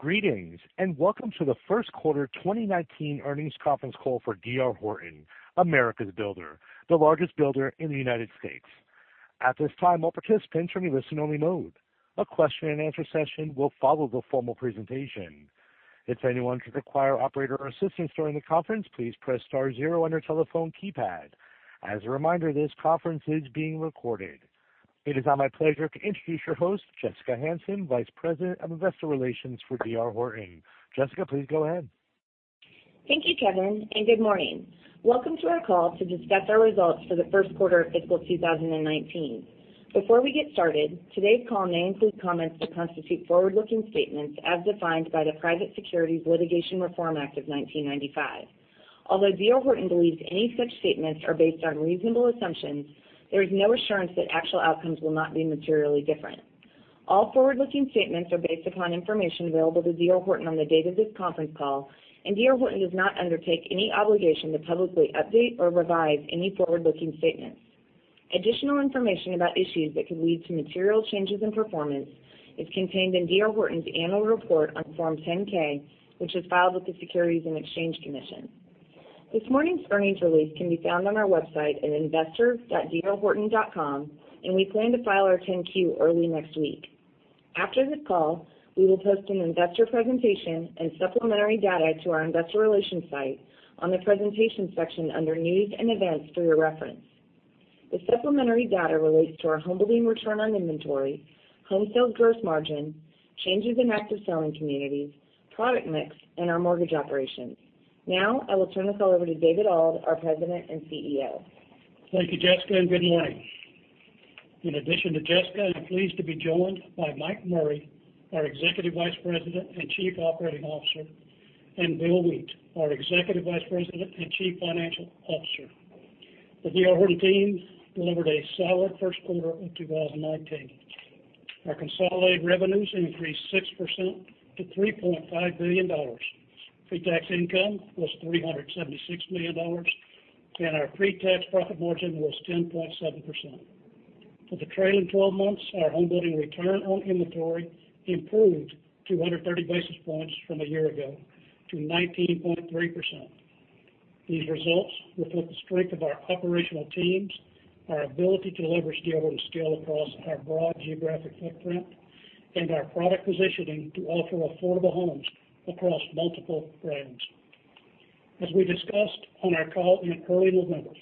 Greetings, welcome to the first quarter 2019 earnings conference call for D.R. Horton, America's builder, the largest builder in the United States. At this time, all participants will be in listen-only mode. A question-and-answer session will follow the formal presentation. If anyone should require operator assistance during the conference, please press star zero on your telephone keypad. As a reminder, this conference is being recorded. It is now my pleasure to introduce your host, Jessica Hansen, Vice President of Investor Relations for D.R. Horton. Jessica, please go ahead. Thank you, Kevin, good morning. Welcome to our call to discuss our results for the first quarter of fiscal 2019. Before we get started, today's call may include comments that constitute forward-looking statements as defined by the Private Securities Litigation Reform Act of 1995. Although D.R. Horton believes any such statements are based on reasonable assumptions, there is no assurance that actual outcomes will not be materially different. All forward-looking statements are based upon information available to D.R. Horton on the date of this conference call. D.R. Horton does not undertake any obligation to publicly update or revise any forward-looking statements. Additional information about issues that could lead to material changes in performance is contained in D.R. Horton's annual report on Form 10-K, which is filed with the Securities and Exchange Commission. This morning's earnings release can be found on our website at investors.drhorton.com. We plan to file our 10-Q early next week. After this call, we will post an investor presentation and supplementary data to our investor relations site on the presentations section under news and events for your reference. The supplementary data relates to our homebuilding return on inventory, home sales gross margin, changes in active selling communities, product mix, and our mortgage operations. Now, I will turn the call over to David Auld, our President and CEO. Thank you, Jessica, good morning. In addition to Jessica, I'm pleased to be joined by Mike Murray, our Executive Vice President and Chief Operating Officer. Bill Wheat, our Executive Vice President and Chief Financial Officer. The D.R. Horton team delivered a solid first quarter of 2019. Our consolidated revenues increased 6% to $3.5 billion. Pre-tax income was $376 million. Our pre-tax profit margin was 10.7%. For the trailing 12 months, our homebuilding return on inventory improved 230 basis points from a year ago to 19.3%. These results reflect the strength of our operational teams, our ability to leverage D.R. Horton's scale across our broad geographic footprint, our product positioning to offer affordable homes across multiple brands. As we discussed on our call in early November,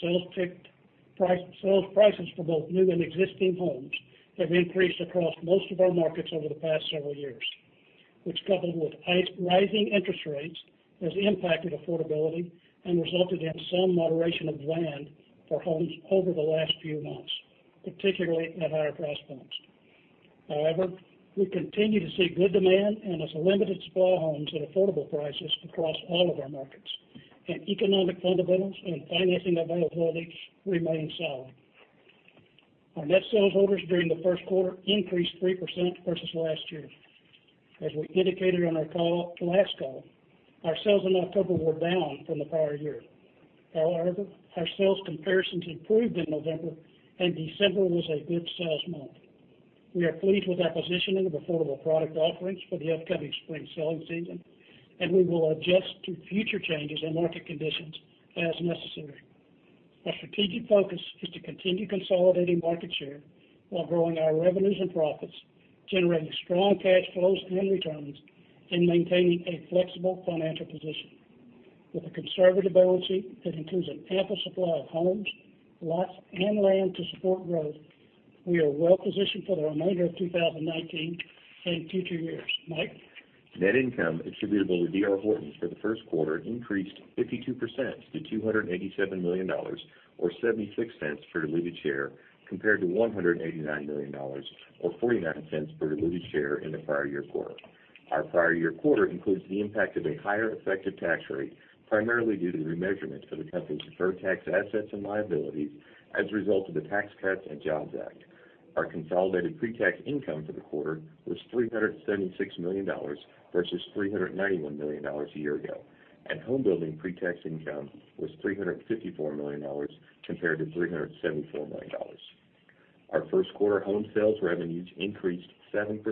sales prices for both new and existing homes have increased across most of our markets over the past several years, which, coupled with rising interest rates, has impacted affordability and resulted in some moderation of demand for homes over the last few months, particularly at higher price points. We continue to see good demand and a limited supply of homes at affordable prices across all of our markets, and economic fundamentals and financing availabilities remain solid. Our net sales orders during the first quarter increased 3% versus last year. As we indicated on our last call, our sales in October were down from the prior year. Our sales comparisons improved in November, and December was a good sales month. We are pleased with our positioning of affordable product offerings for the upcoming spring selling season. We will adjust to future changes in market conditions as necessary. Our strategic focus is to continue consolidating market share while growing our revenues and profits, generating strong cash flows and returns, and maintaining a flexible financial position. With a conservative balance sheet that includes an ample supply of homes, lots, and land to support growth, we are well-positioned for the remainder of 2019 and future years. Mike? Net income attributable to D.R. Horton for the first quarter increased 52% to $287 million, or $0.76 per diluted share, compared to $189 million or $0.49 per diluted share in the prior year quarter. Our prior year quarter includes the impact of a higher effective tax rate, primarily due to remeasurement of the company's deferred tax assets and liabilities as a result of the Tax Cuts and Jobs Act. Our consolidated pre-tax income for the quarter was $376 million versus $391 million a year ago. Homebuilding pre-tax income was $354 million compared to $374 million. Our first quarter home sales revenues increased 7%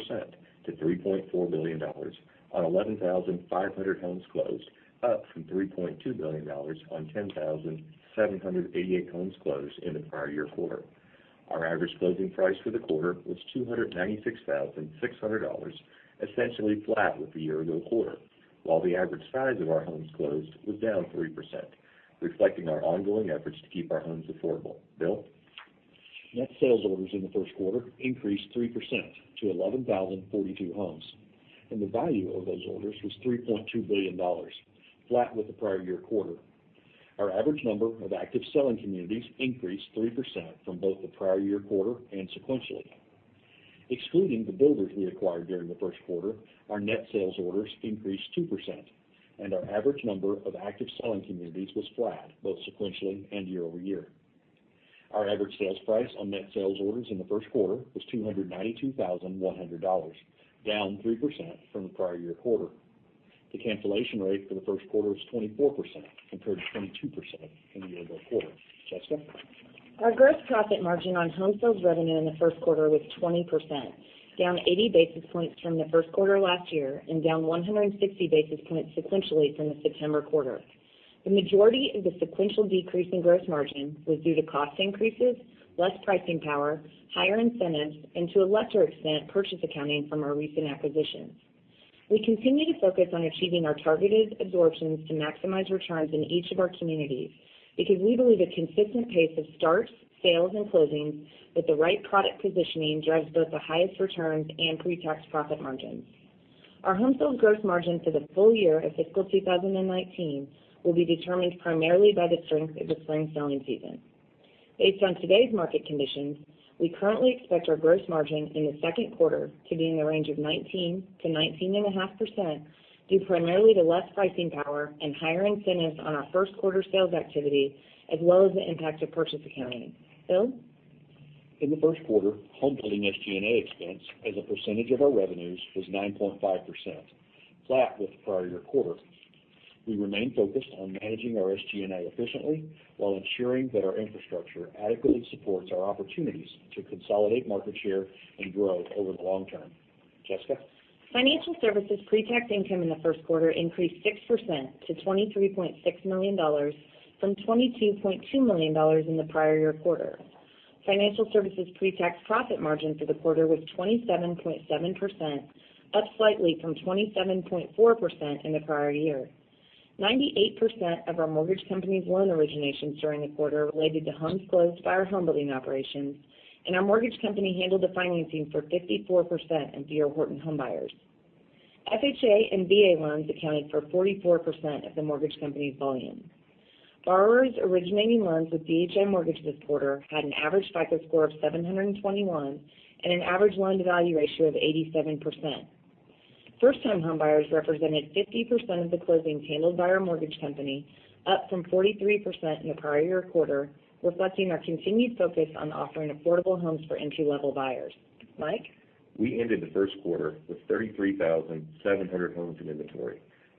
to $3.4 billion on 11,500 homes closed, up from $3.2 billion on 10,788 homes closed in the prior year quarter. Our average closing price for the quarter was $296,600, essentially flat with the year-ago quarter. While the average size of our homes closed was down 3%, reflecting our ongoing efforts to keep our homes affordable. Bill? Net sales orders in the first quarter increased 3% to 11,042 homes, and the value of those orders was $3.2 billion, flat with the prior year quarter. Our average number of active selling communities increased 3% from both the prior year quarter and sequentially. Excluding the builders we acquired during the first quarter, our net sales orders increased 2%, and our average number of active selling communities was flat both sequentially and year-over-year. Our average sales price on net sales orders in the first quarter was $292,100, down 3% from the prior year quarter. The cancellation rate for the first quarter was 24%, compared to 22% in the year-ago quarter. Jessica? Our gross profit margin on home sales revenue in the first quarter was 20%, down 80 basis points from the first quarter last year and down 160 basis points sequentially from the September quarter. The majority of the sequential decrease in gross margin was due to cost increases, less pricing power, higher incentives, and to a lesser extent, purchase accounting from our recent acquisitions. We continue to focus on achieving our targeted absorptions to maximize returns in each of our communities, because we believe a consistent pace of starts, sales, and closings with the right product positioning drives both the highest returns and pre-tax profit margins. Our home sales gross margin for the full year of fiscal 2019 will be determined primarily by the strength of the spring selling season. Based on today's market conditions, we currently expect our gross margin in the second quarter to be in the range of 19%-19.5%, due primarily to less pricing power and higher incentives on our first quarter sales activity, as well as the impact of purchase accounting. Bill? In the first quarter, homebuilding SG&A expense as a percentage of our revenues was 9.5%, flat with the prior year quarter. We remain focused on managing our SG&A efficiently while ensuring that our infrastructure adequately supports our opportunities to consolidate market share and growth over the long term. Jessica? Financial services pre-tax income in the first quarter increased 6% to $23.6 million from $22.2 million in the prior year quarter. Financial services pre-tax profit margin for the quarter was 27.7%, up slightly from 27.4% in the prior year. 98% of our mortgage company's loan originations during the quarter related to homes closed by our homebuilding operations, and our mortgage company handled the financing for 54% of D.R. Horton home buyers. FHA and VA loans accounted for 44% of the mortgage company's volume. Borrowers originating loans with DHI Mortgage this quarter had an average FICO score of 721 and an average loan-to-value ratio of 87%. First-time homebuyers represented 50% of the closings handled by our mortgage company, up from 43% in the prior year quarter, reflecting our continued focus on offering affordable homes for entry-level buyers. Mike? We ended the first quarter with 33,700 homes in inventory.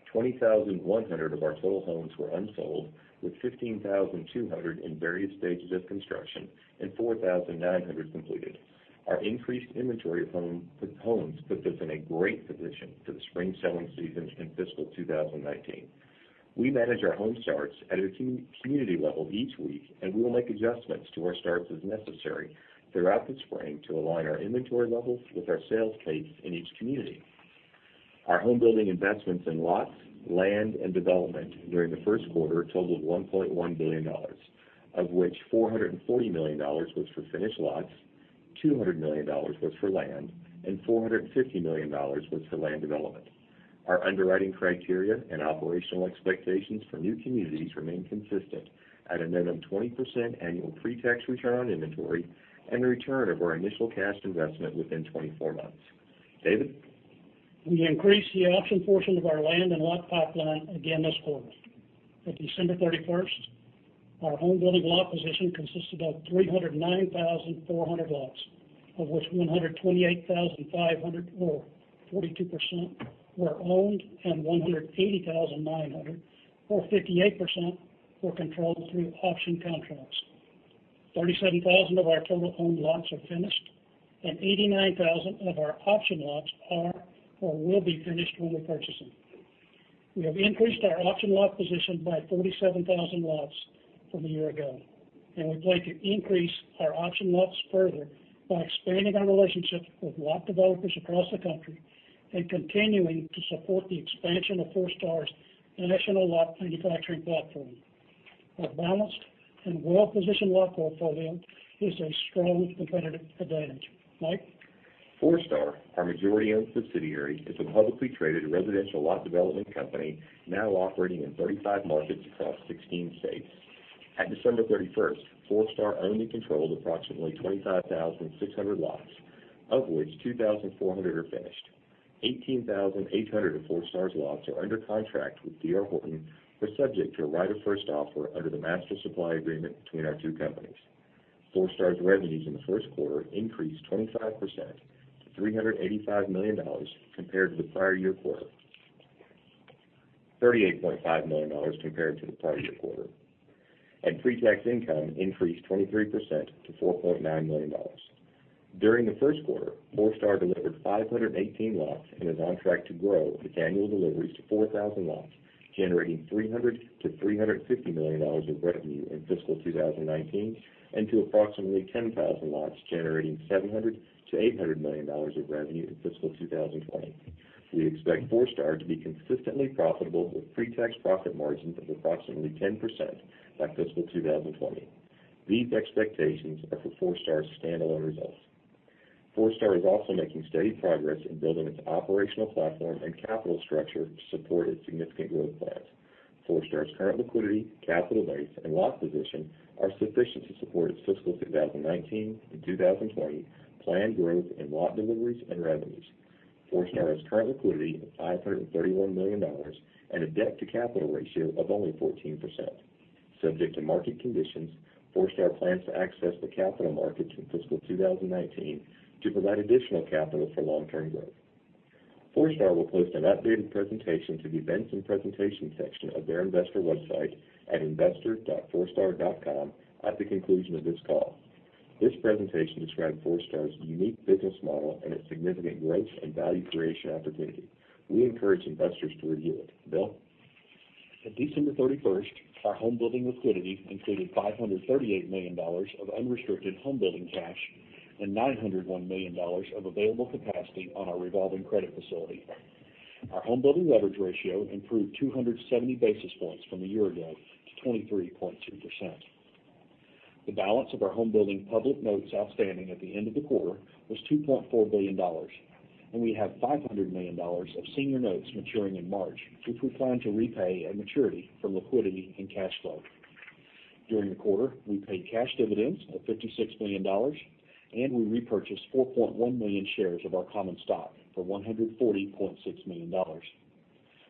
20,100 of our total homes were unsold, with 15,200 in various stages of construction and 4,900 completed. Our increased inventory of homes puts us in a great position for the spring selling season in fiscal 2019. We manage our home starts at a community level each week, and we will make adjustments to our starts as necessary throughout the spring to align our inventory levels with our sales pace in each community. Our homebuilding investments in lots, land, and development during the first quarter totaled $1.1 billion, of which $440 million was for finished lots, $200 million was for land, and $450 million was for land development. Our underwriting criteria and operational expectations for new communities remain consistent at a minimum 20% annual pre-tax return on inventory and a return of our initial cash investment within 24 months. David? We increased the option portion of our land and lot pipeline again this quarter. At December 31st, our homebuilding lot position consisted of 309,400 lots, of which 128,500, or 42%, were owned, and 180,900, or 58%, were controlled through option contracts. 37,000 of our total owned lots are finished, and 89,000 of our option lots are or will be finished when we purchase them. We have increased our option lot position by 47,000 lots from a year ago, and we plan to increase our option lots further by expanding our relationships with lot developers across the country and continuing to support the expansion of Forestar's national lot manufacturing platform. Our balanced and well-positioned lot portfolio is a strong competitive advantage. Mike? Forestar, our majority-owned subsidiary, is a publicly traded residential lot development company now operating in 35 markets across 16 states. At December 31st, Forestar owned and controlled approximately 25,600 lots, of which 2,400 are finished. 18,800 of Forestar's lots are under contract with D.R. Horton or subject to a right of first offer under the master supply agreement between our two companies. Forestar's revenues in the first quarter increased 25% to $38.5 million compared to the prior year quarter. Pre-tax income increased 23% to $4.9 million. During the first quarter, Forestar delivered 518 lots and is on track to grow its annual deliveries to 4,000 lots, generating $300 million-$350 million of revenue in fiscal 2019, and to approximately 10,000 lots, generating $700 million-$800 million of revenue in fiscal 2020. We expect Forestar to be consistently profitable with pre-tax profit margins of approximately 10% by fiscal 2020. These expectations are for Forestar's standalone results. Forestar is also making steady progress in building its operational platform and capital structure to support its significant growth plans. Forestar's current liquidity, capital base, and lot position are sufficient to support its fiscal 2019 and 2020 planned growth in lot deliveries and revenues. Forestar has current liquidity of $531 million and a debt-to-capital ratio of only 14%. Subject to market conditions, Forestar plans to access the capital markets in fiscal 2019 to provide additional capital for long-term growth. Forestar will post an updated presentation to the events and presentation section of their investor website at investor.forestar.com at the conclusion of this call. This presentation describes Forestar's unique business model and its significant growth and value creation opportunity. We encourage investors to review it. Bill? At December 31st, our home building liquidity included $538 million of unrestricted home building cash and $901 million of available capacity on our revolving credit facility. Our home building leverage ratio improved 270 basis points from a year ago to 23.2%. The balance of our home building public notes outstanding at the end of the quarter was $2.4 billion, and we have $500 million of senior notes maturing in March, which we plan to repay at maturity from liquidity and cash flow. During the quarter, we paid cash dividends of $56 million, and we repurchased 4.1 million shares of our common stock for $140.6 million.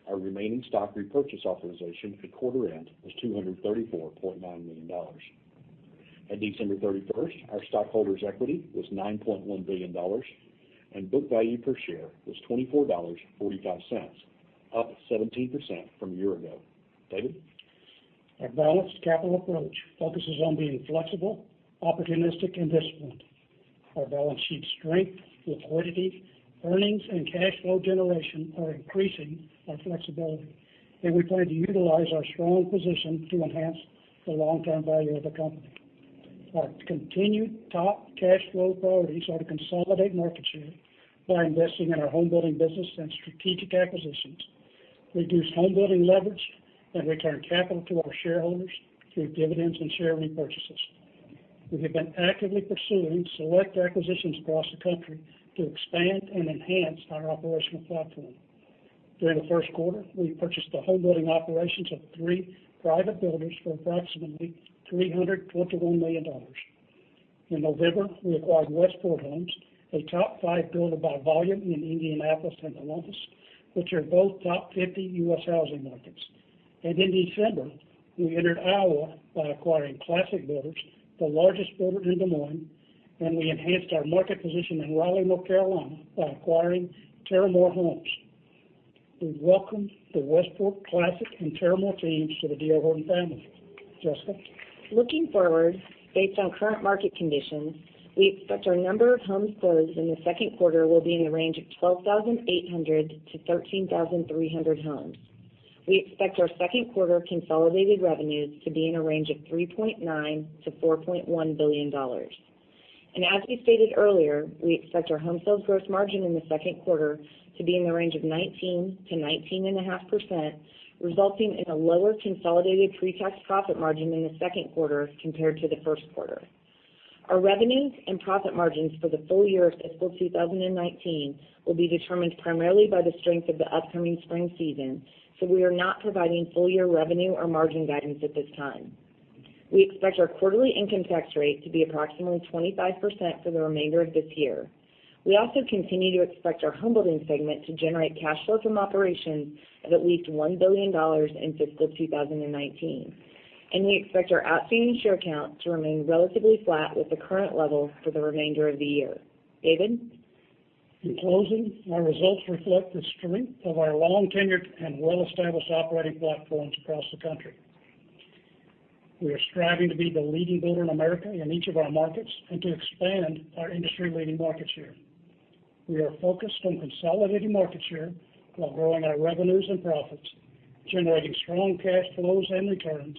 Our remaining stock repurchase authorization at quarter end was $234.9 million. At December 31st, our stockholders' equity was $9.1 billion and book value per share was $24.45, up 17% from a year ago. David? Our balanced capital approach focuses on being flexible, opportunistic, and disciplined. Our balance sheet strength, liquidity, earnings, and cash flow generation are increasing our flexibility, and we plan to utilize our strong position to enhance the long-term value of the company. Our continued top cash flow priorities are to consolidate market share by investing in our home building business and strategic acquisitions, reduce home building leverage, and return capital to our shareholders through dividends and share repurchases. We have been actively pursuing select acquisitions across the country to expand and enhance our operational platform. During the first quarter, we purchased the home building operations of three private builders for approximately $321 million. In November, we acquired Westport Homes, a top five builder by volume in Indianapolis and Columbus, which are both top 50 U.S. housing markets. In December, we entered Iowa by acquiring Classic Builders, the largest builder in Des Moines, and we enhanced our market position in Raleigh, North Carolina, by acquiring Terramore Homes. We welcome the Westport, Classic, and Terramore teams to the D.R. Horton family. Jessica? Looking forward, based on current market conditions, we expect our number of homes closed in the second quarter will be in the range of 12,800-13,300 homes. We expect our second quarter consolidated revenues to be in a range of $3.9 billion-$4.1 billion. As we stated earlier, we expect our home sales gross margin in the second quarter to be in the range of 19%-19.5%, resulting in a lower consolidated pre-tax profit margin in the second quarter compared to the first quarter. Our revenues and profit margins for the full year of fiscal 2019 will be determined primarily by the strength of the upcoming spring season, so we are not providing full-year revenue or margin guidance at this time. We expect our quarterly income tax rate to be approximately 25% for the remainder of this year. We also continue to expect our home building segment to generate cash flow from operations of at least $1 billion in fiscal 2019, and we expect our outstanding share count to remain relatively flat with the current level for the remainder of the year. David? In closing, our results reflect the strength of our long-tenured and well-established operating platforms across the country. We are striving to be the leading builder in America in each of our markets, and to expand our industry-leading market share. We are focused on consolidating market share while growing our revenues and profits, generating strong cash flows and returns,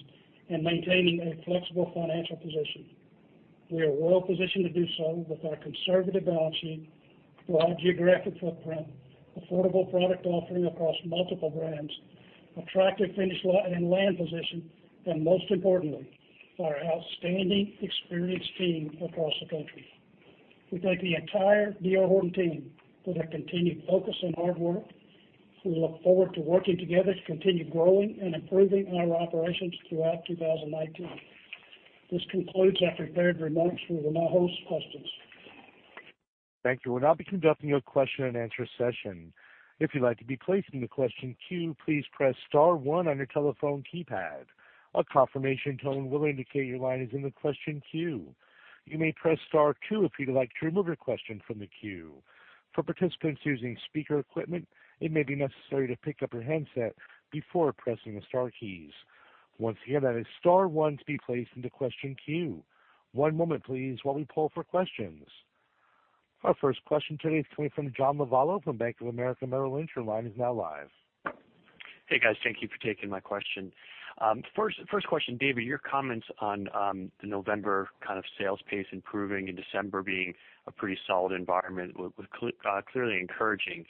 and maintaining a flexible financial position. We are well-positioned to do so with our conservative balance sheet, broad geographic footprint, affordable product offering across multiple brands, attractive finished lot and land position, and most importantly, our outstanding experienced team across the country. We thank the entire D.R. Horton team for their continued focus and hard work. We look forward to working together to continue growing and improving our operations throughout 2019. This concludes our prepared remarks. We will now host questions. Thank you. We'll now be conducting a question and answer session. If you'd like to be placed into question queue, please press star one on your telephone keypad. A confirmation tone will indicate your line is in the question queue. You may press star two if you'd like to remove your question from the queue. For participants using speaker equipment, it may be necessary to pick up your handset before pressing the star keys. Once again, that is star one to be placed into question queue. One moment, please, while we poll for questions. Our first question today is coming from John Lovallo from Bank of America Merrill Lynch. Your line is now live. Hey, guys. Thank you for taking my question. First question, David, your comments on the November kind of sales pace improving and December being a pretty solid environment was clearly encouraging.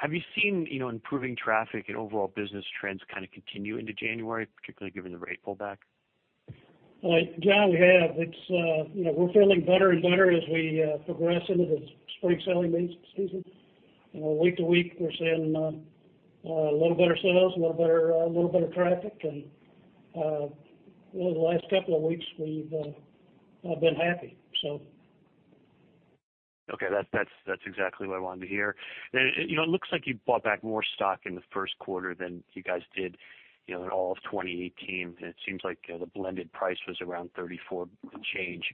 Have you seen improving traffic and overall business trends kind of continue into January, particularly given the rate pullback? John, we have. We're feeling better and better as we progress into the spring selling season. Week to week, we're seeing a little better sales, a little better traffic, and over the last couple of weeks, we've been happy. Okay. That's exactly what I wanted to hear. It looks like you bought back more stock in the first quarter than you guys did in all of 2018, and it seems like the blended price was around $34 and change,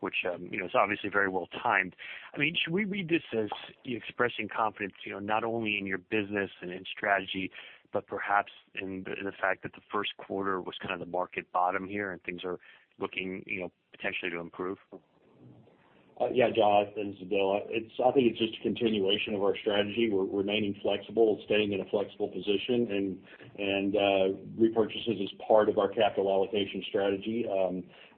which is obviously very well-timed. Should we read this as you expressing confidence, not only in your business and in strategy, but perhaps in the fact that the first quarter was kind of the market bottom here and things are looking potentially to improve? Yeah, Jonathan, this is Bill. I think it's just a continuation of our strategy. We're remaining flexible and staying in a flexible position, and repurchases is part of our capital allocation strategy.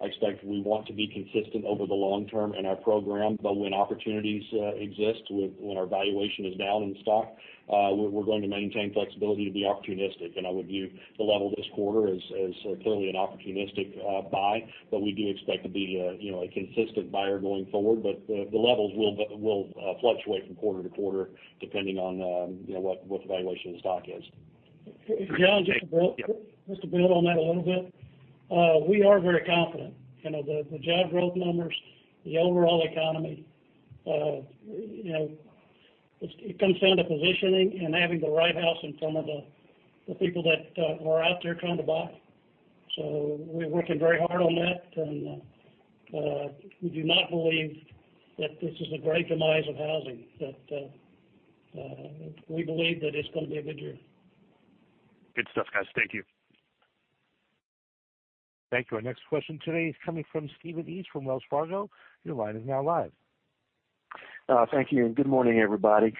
I expect we want to be consistent over the long term in our program, but when opportunities exist, when our valuation is down in the stock, we're going to maintain flexibility to be opportunistic. I would view the level this quarter as clearly an opportunistic buy. We do expect to be a consistent buyer going forward. The levels will fluctuate from quarter-to-quarter, depending on what the valuation of the stock is. Jonathan, just to build on that a little bit. We are very confident. The job growth numbers, the overall economy, it comes down to positioning and having the right house in front of the people that are out there trying to buy. We're working very hard on that, and we do not believe that this is a great demise of housing. We believe that it's going to be a good year. Good stuff, guys. Thank you. Thank you. Our next question today is coming from Stephen East from Wells Fargo. Your line is now live. Thank you, good morning, everybody.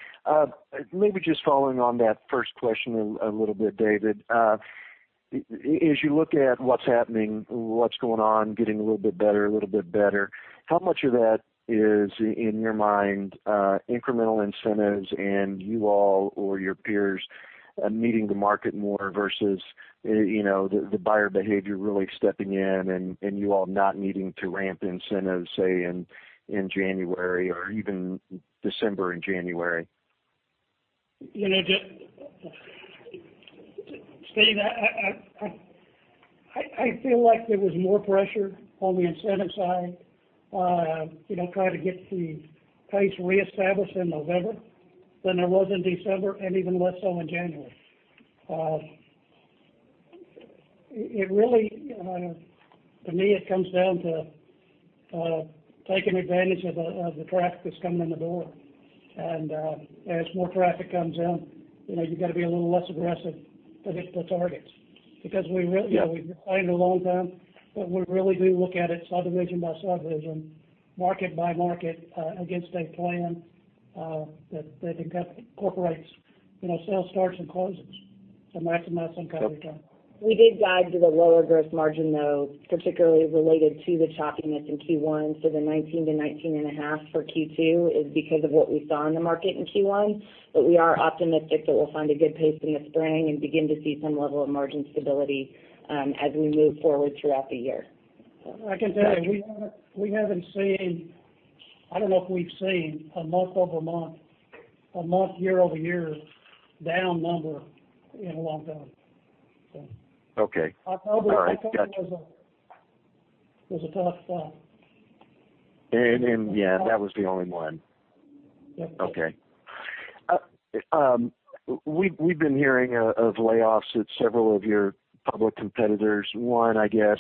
Maybe just following on that first question a little bit, David. As you look at what's happening, what's going on, getting a little bit better, how much of that is, in your mind, incremental incentives and you all or your peers meeting the market more versus the buyer behavior really stepping in and you all not needing to ramp incentives, say, in January or even December and January? Stephen, I feel like there was more pressure on the incentive side, trying to get the pace reestablished in November than there was in December, even less so in January. To me, it comes down to taking advantage of the traffic that's coming in the door. As more traffic comes in, you've got to be a little less aggressive to hit the targets. Because we planned a long time, we really do look at it subdivision by subdivision, market by market, against a plan that incorporates sales starts and closes to maximize income return. We did guide to the lower gross margin, though, particularly related to the choppiness in Q1. The 19%-19.5% for Q2 is because of what we saw in the market in Q1. We are optimistic that we'll find a good pace in the spring and begin to see some level of margin stability as we move forward throughout the year. I can tell you, I don't know if we've seen a month-over-month, a month year-over-year down number in a long time. Okay. All right. Got you. October was a tough spot. Yeah, that was the only one. Yeah. Okay. We've been hearing of layoffs at several of your public competitors. One, I guess,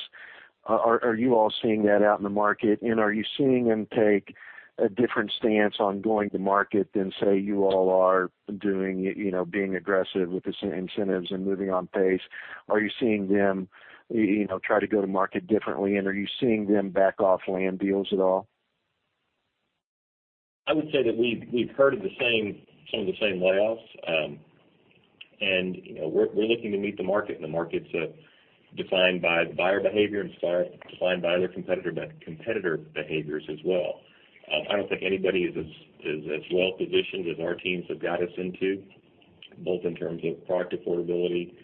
are you all seeing that out in the market, and are you seeing them take a different stance on going to market than, say, you all are doing, being aggressive with the same incentives and moving on pace? Are you seeing them try to go to market differently, and are you seeing them back off land deals at all? I would say that we've heard of some of the same layoffs. We're looking to meet the market, and the market's defined by the buyer behavior and defined by other competitor behaviors as well. I don't think anybody is as well positioned as our teams have got us into, both in terms of product affordability,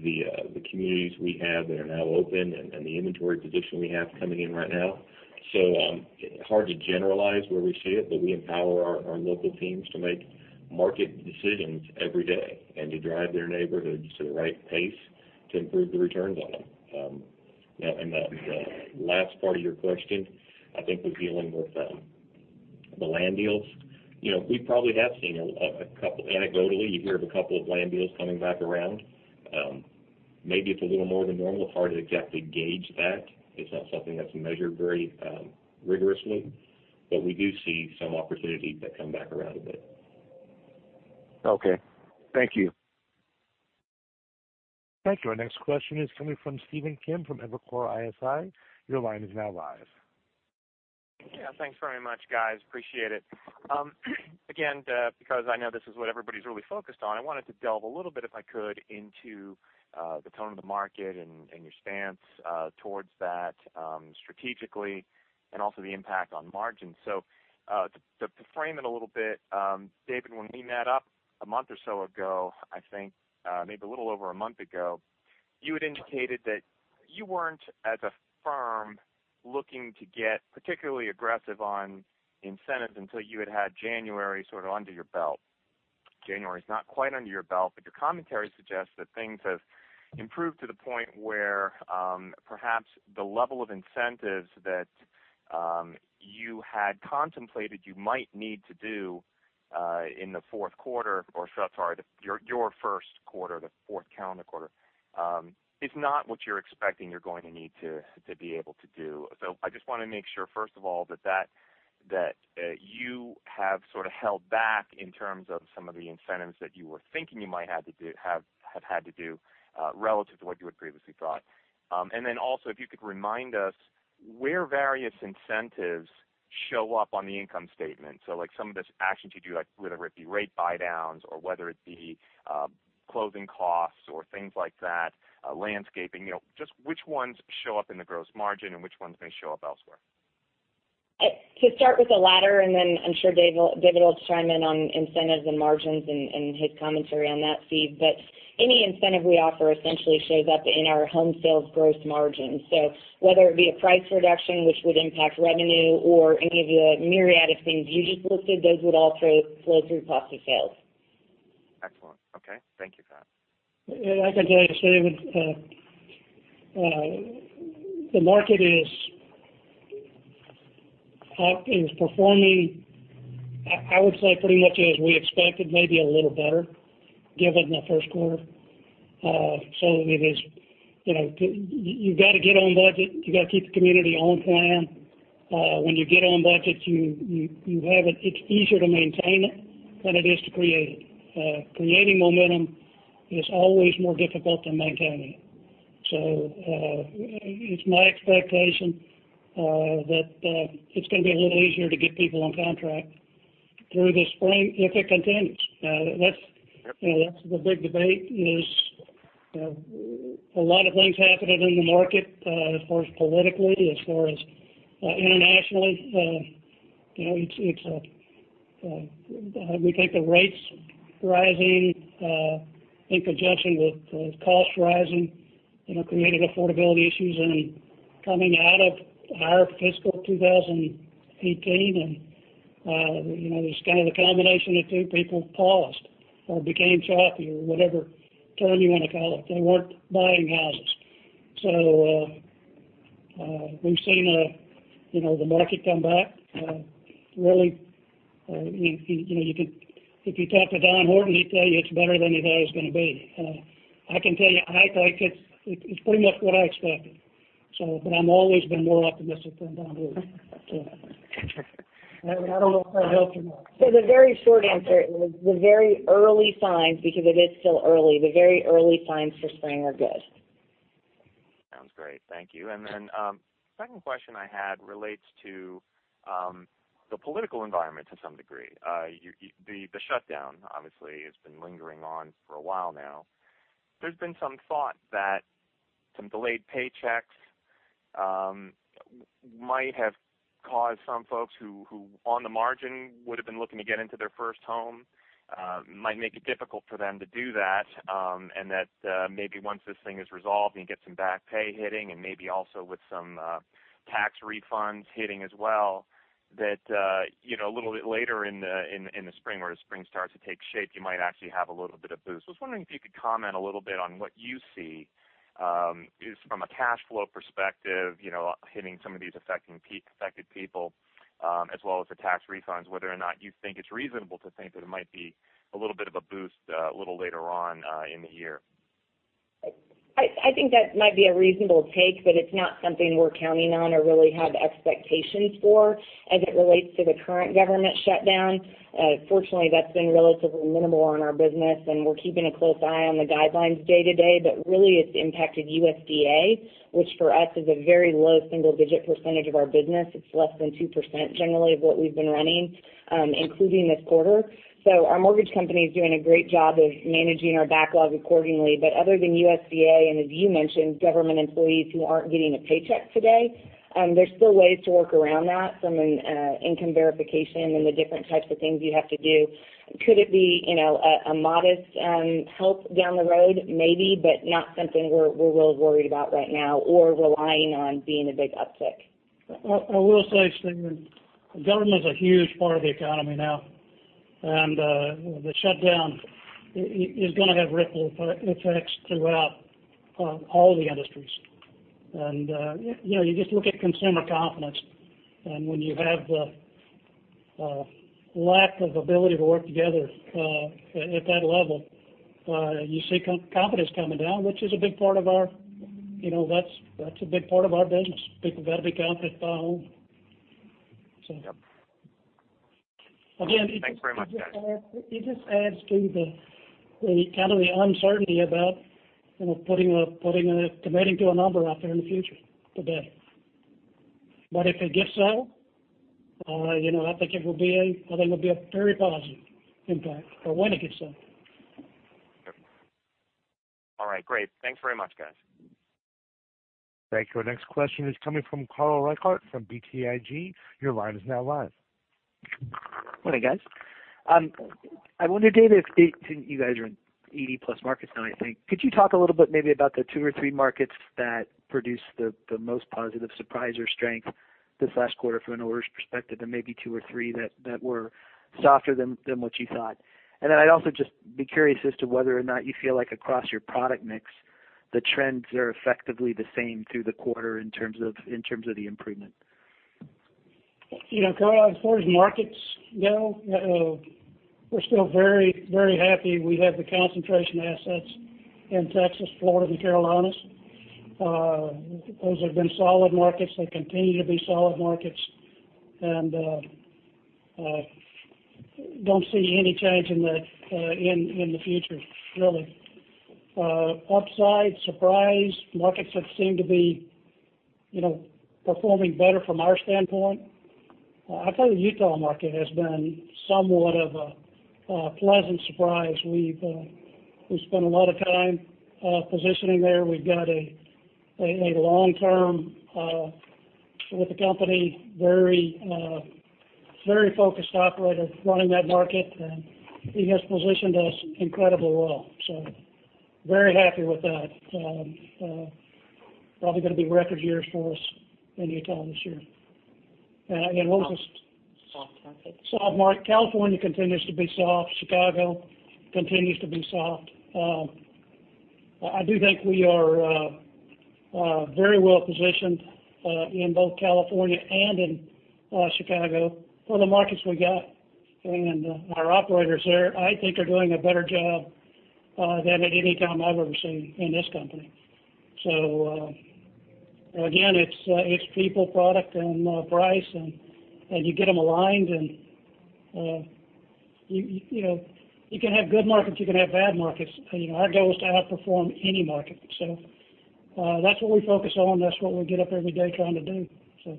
the communities we have that are now open, and the inventory position we have coming in right now. Hard to generalize where we see it, but we empower our local teams to make market decisions every day and to drive their neighborhoods to the right pace to improve the returns on them. The last part of your question, I think was dealing with the land deals. We probably have seen anecdotally, you hear of a couple of land deals coming back around. Maybe it's a little more than normal. Hard to exactly gauge that. It's not something that's measured very rigorously, but we do see some opportunities that come back around a bit. Okay. Thank you. Thank you. Our next question is coming from Stephen Kim from Evercore ISI. Your line is now live. Yeah. Thanks very much, guys. Appreciate it. Again, because I know this is what everybody's really focused on, I wanted to delve a little bit, if I could, into the tone of the market and your stance towards that strategically and also the impact on margins. To frame it a little bit, David, when we met up a month or so ago, I think maybe a little over a month ago, you had indicated that you weren't, as a firm, looking to get particularly aggressive on incentives until you had had January sort of under your belt. January is not quite under your belt, but your commentary suggests that things have improved to the point where perhaps the level of incentives that you had contemplated you might need to do in the fourth quarter, or sorry, your first quarter, the fourth calendar quarter, is not what you're expecting you're going to need to be able to do. I just want to make sure, first of all, that you have sort of held back in terms of some of the incentives that you were thinking you might have had to do relative to what you had previously thought. Then also, if you could remind us where various incentives show up on the income statement. Like some of this action to do, whether it be rate buydowns or whether it be closing costs or things like that, landscaping. Just which ones show up in the gross margin and which ones may show up elsewhere? To start with the latter, then I'm sure David will chime in on incentives and margins and his commentary on that, Steve. Any incentive we offer essentially shows up in our home sales gross margin. Whether it be a price reduction, which would impact revenue, or any of the myriad of things you just listed, those would all flow through cost of sales. Excellent. Okay. Thank you for that. I can tell you, Steven, the market is performing, I would say pretty much as we expected, maybe a little better, given the first quarter. You've got to get on budget. You've got to keep the community on plan. When you get on budget, it's easier to maintain it than it is to create it. Creating momentum is always more difficult than maintaining it. It's my expectation that it's going to be a little easier to get people on contract through the spring if it continues. That's the big debate, is a lot of things happening in the market, as far as politically, as far as internationally. We take the rates rising in conjunction with costs rising, creating affordability issues, coming out of our fiscal 2018, just kind of the combination of two people paused or became choppy or whatever term you want to call it. They weren't buying houses. We've seen the market come back. If you talk to Don Horton, he'd tell you it's better than he thought it was going to be. I can tell you, it's pretty much what I expected. I've always been more optimistic than Don Horton. I don't know if that helped or not. The very short answer is the very early signs, because it is still early, the very early signs for spring are good. Sounds great. Thank you. Second question I had relates to the political environment to some degree. The shutdown, obviously, has been lingering on for a while now. There's been some thought that some delayed paychecks might have caused some folks who on the margin would've been looking to get into their first home, might make it difficult for them to do that, and that maybe once this thing is resolved and you get some back pay hitting and maybe also with some tax refunds hitting as well, that a little bit later in the spring or as spring starts to take shape, you might actually have a little bit of boost. I was wondering if you could comment a little bit on what you see is from a cash flow perspective hitting some of these affected people, as well as the tax refunds, whether or not you think it's reasonable to think that it might be a little bit of a boost a little later on in the year. I think that might be a reasonable take, but it's not something we're counting on or really have expectations for as it relates to the current government shutdown. Fortunately, that's been relatively minimal on our business, we're keeping a close eye on the guidelines day to day. Really, it's impacted USDA, which for us is a very low single-digit percentage of our business. It's less than 2% generally of what we've been running, including this quarter. Our mortgage company is doing a great job of managing our backlog accordingly. Other than USDA, and as you mentioned, government employees who aren't getting a paycheck today, there's still ways to work around that from an income verification and the different types of things you have to do. Could it be a modest help down the road? Maybe, not something we're real worried about right now or relying on being a big uptick. I will say, Steven, government's a huge part of the economy now. The shutdown is going to have ripple effects throughout all the industries. You just look at consumer confidence, and when you have a lack of ability to work together at that level, you see confidence coming down, which that's a big part of our business. People got to be confident to buy a home. Yep. Thanks very much, guys. It just adds to kind of the uncertainty about committing to a number out there in the future, today. If it gets solved, I think it will be a very positive impact for when it gets solved. Yep. All right, great. Thanks very much, guys. Thank you. Our next question is coming from Carl Reichardt from BTIG. Your line is now live. Morning, guys. I wonder, David, since you guys are in 80+ markets now, I think, could you talk a little bit maybe about the two or three markets that produced the most positive surprise or strength this last quarter from an orders perspective, and maybe two or three that were softer than what you thought? I'd also just be curious as to whether or not you feel like across your product mix, the trends are effectively the same through the quarter in terms of the improvement? Carl, as far as markets go, we're still very happy we have the concentration assets in Texas, Florida, and the Carolinas. Those have been solid markets. They continue to be solid markets, don't see any change in the future, really. Upside surprise markets that seem to be performing better from our standpoint, I'll tell you, the Utah market has been somewhat of a pleasant surprise. We've spent a lot of time positioning there. We've got a long-term with the company, very focused operator running that market, and he has positioned us incredibly well. Very happy with that. Probably going to be record years for us in Utah this year. We'll just- Soft market. Soft market. California continues to be soft. Chicago continues to be soft. I do think we are very well positioned in both California and in Chicago for the markets we got. Our operators there, I think, are doing a better job than at any time I've ever seen in this company. Again, it's people, product, and price, and you get them aligned, and you can have good markets, you can have bad markets. Our goal is to outperform any market. That's what we focus on. That's what we get up every day trying to do.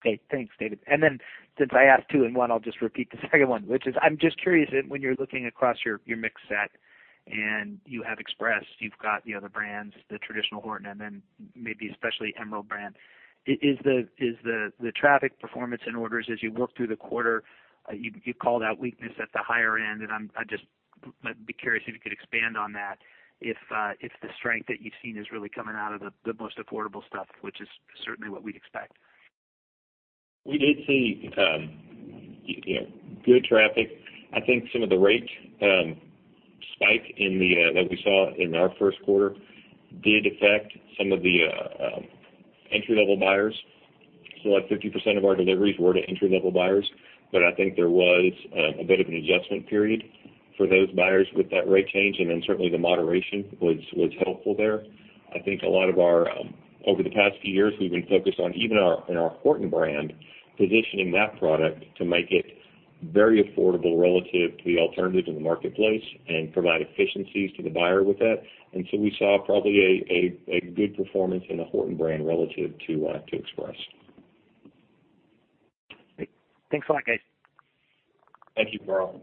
Great. Thanks, David. Since I asked two in one, I'll just repeat the second one, which is I'm just curious that when you're looking across your mix set and you have Express, you've got the other brands, the traditional Horton, and then maybe especially Emerald brand. Is the traffic performance and orders as you work through the quarter, you call out weakness at the higher end, and I'd just be curious if you could expand on that, if the strength that you've seen is really coming out of the most affordable stuff, which is certainly what we'd expect. We did see good traffic. I think some of the rate spike that we saw in our first quarter did affect some of the entry-level buyers. Like 50% of our deliveries were to entry-level buyers. I think there was a bit of an adjustment period for those buyers with that rate change, and then certainly the moderation was helpful there. I think a lot of our Over the past few years, we've been focused on even in our Horton brand, positioning that product to make it very affordable relative to the alternative in the marketplace and provide efficiencies to the buyer with that. We saw probably a good performance in the Horton brand relative to Express. Great. Thanks a lot, guys. Thank you, Carl.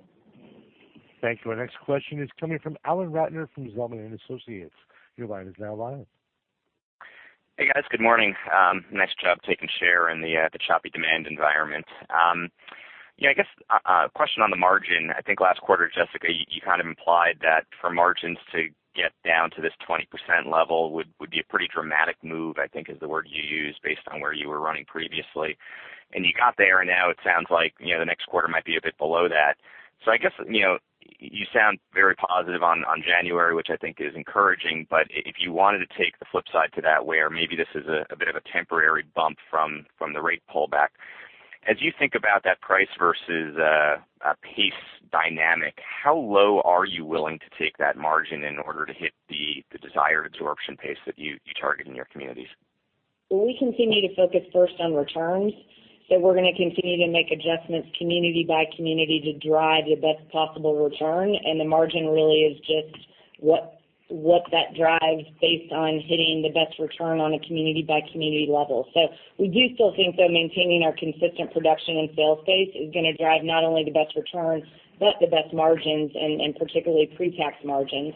Thank you. Our next question is coming from Alan Ratner from Zelman & Associates. Your line is now live. Hey, guys. Good morning. Nice job taking share in the choppy demand environment. I guess a question on the margin. I think last quarter, Jessica, you kind of implied that for margins to get down to this 20% level would be a pretty dramatic move, I think is the word you used, based on where you were running previously. You got there, and now it sounds like the next quarter might be a bit below that. I guess, you sound very positive on January, which I think is encouraging, but if you wanted to take the flip side to that, where maybe this is a bit of a temporary bump from the rate pullback. As you think about that price versus pace dynamic, how low are you willing to take that margin in order to hit the desired absorption pace that you target in your communities? We continue to focus first on returns, we're going to continue to make adjustments community by community to drive the best possible return, and the margin really is just what that drives based on hitting the best return on a community by community level. We do still think, though, maintaining our consistent production and sales pace is going to drive not only the best returns but the best margins and particularly pre-tax margins.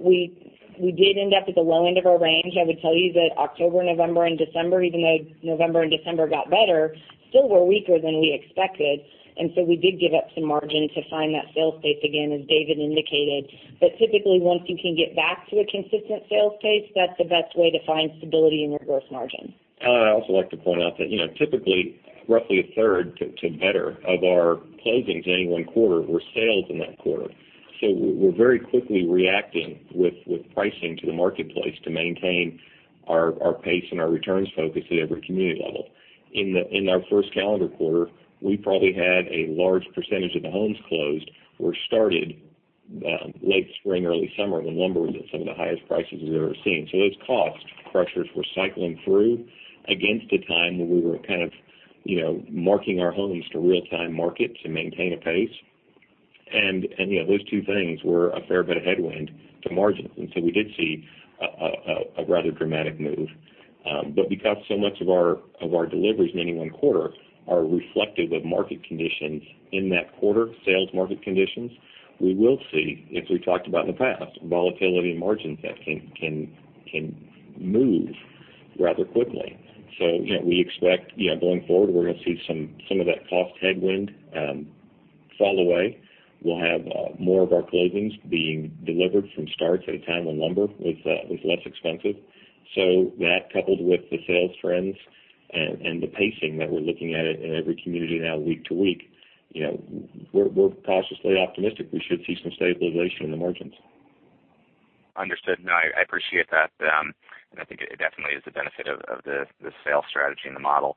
We did end up at the low end of our range. I would tell you that October, November, and December, even though November and December got better, still were weaker than we expected. We did give up some margin to find that sales pace again, as David indicated. Typically, once you can get back to a consistent sales pace, that's the best way to find stability in your gross margin. Alan, I'd also like to point out that typically roughly a third to better of our closings any one quarter were sales in that quarter. We're very quickly reacting with pricing to the marketplace to maintain our pace and our returns focus at every community level. In our first calendar quarter, we probably had a large percentage of the homes closed or started late spring, early summer, when lumber was at some of the highest prices we've ever seen. Those cost pressures were cycling through against a time when we were kind of marking our homes to real-time market to maintain a pace. Those two things were a fair bit of headwind to margins. We did see a rather dramatic move. Because so much of our deliveries in any one quarter are reflective of market conditions in that quarter, sales market conditions, we will see, as we talked about in the past, volatility in margins that can move rather quickly. We expect going forward, we're going to see some of that cost headwind fall away. We'll have more of our closings being delivered from starts at a time when lumber was less expensive. That coupled with the sales trends and the pacing that we're looking at in every community now week to week, we're cautiously optimistic we should see some stabilization in the margins. Understood. I appreciate that, I think it definitely is the benefit of the sales strategy and the model.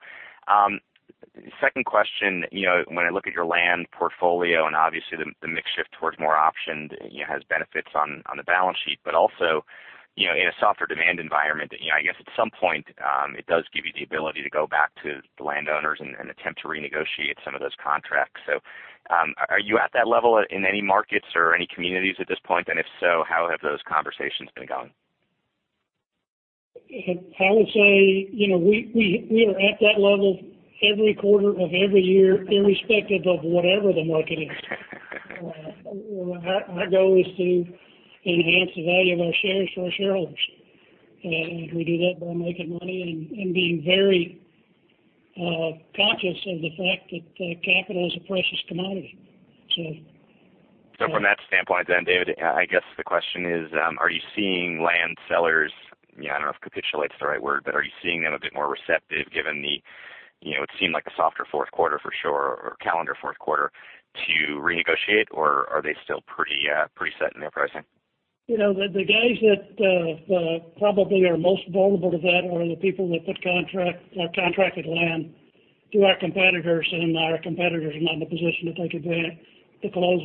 Second question. When I look at your land portfolio and obviously the mix shift towards more optioned has benefits on the balance sheet, but also in a softer demand environment, I guess at some point, it does give you the ability to go back to the landowners and attempt to renegotiate some of those contracts. Are you at that level in any markets or any communities at this point? If so, how have those conversations been going? I would say, we are at that level every quarter of every year, irrespective of whatever the market is. Our goal is to enhance the value of our shares for our shareholders. We do that by making money and being very conscious of the fact that capital is a precious commodity. From that standpoint, David, I guess the question is, are you seeing land sellers, I don't know if capitulate is the right word, but are you seeing them a bit more receptive given what seemed like a softer fourth quarter for sure, or calendar fourth quarter to renegotiate, or are they still pretty set in their pricing? The guys that probably are most vulnerable to that are the people that put contracted land to our competitors, and our competitors are not in a position to take advantage to close